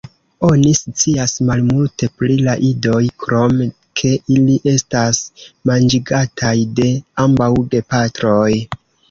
Oni scias malmulte pri la idoj, krom ke ili estas manĝigataj de ambaŭ gepatroj.